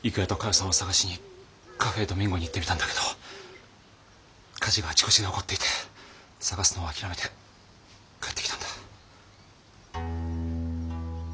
さんを捜しにカフェードミンゴに行ってみたんだけど火事があちこちで起こっていて捜すのは諦めて帰ってきたんだ。